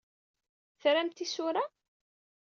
Tramt isura?